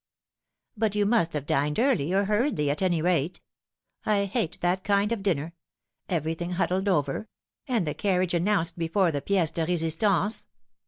" But you must have dined early, or hurriedly, at any rate. I hate that kind of dinner everything huddled over and the carriage announced before the piece de resistance.